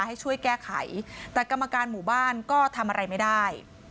ให้ช่วยแก้ไขแต่กรรมการหมู่บ้านก็ทำอะไรไม่ได้